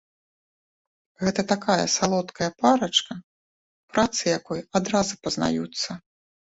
Гэта такая салодкая парачка, працы якой адразу пазнаюцца.